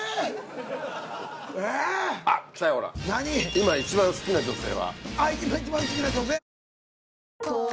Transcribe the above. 今一番好きな女性？